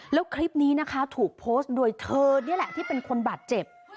แล้วคลิปนี้นะคะถูกโพสต์โดยเธอนี่แหละที่เป็นคนบาดเจ็บ